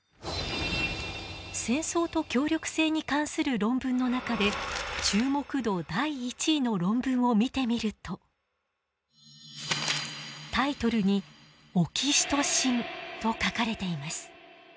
戦争と協力性に関する論文の中で注目度第１位の論文を見てみるとタイトルに「オキシトシン」と書かれています。